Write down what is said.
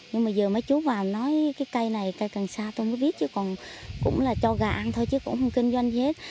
nhưng mà giờ mấy chú mà nói cái cây này cây cần xa tôi mới biết chứ còn cũng là cho gà ăn thôi chứ cũng không kinh doanh hết